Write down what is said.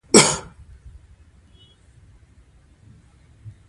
د باران د څاڅکو غږ د زړه غمونه وینځي او روح تازه کوي.